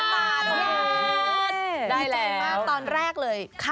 สวัสดีค่ะสวัสดีค่ะ